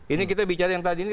ini kita bicara yang tadi ini